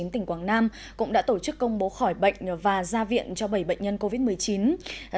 tỉnh quảng nam cũng đã tổ chức công bố khỏi bệnh và ra viện cho bảy bệnh nhân covid một mươi chín